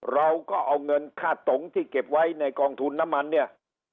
เราก็เอาเงินค่าตงที่เก็บไว้ในกองทุนน้ำมันเนี่ย